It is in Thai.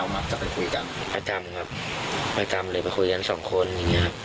อย่ากดดันได้ไหมคะขอร้องค่ะ